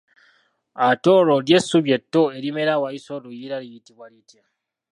Ate olwo lyo essubi etto erimera awayise oluyiira liyitibwa litya?